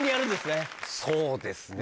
そうですね